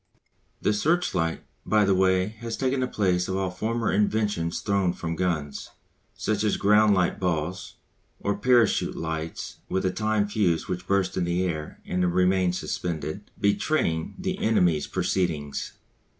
The searchlight, by the way, has taken the place of all former inventions thrown from guns, such as ground light balls, or parachute lights with a time fuse which burst in the air and remained suspended, betraying the enemy's proceedings.